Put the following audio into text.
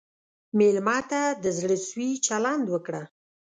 مېلمه ته د زړه سوي چلند وکړه.